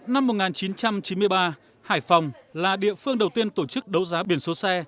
năm một nghìn chín trăm chín mươi ba hải phòng là địa phương đầu tiên tổ chức đấu giá biển số xe